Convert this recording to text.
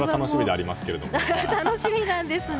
楽しみなんですね。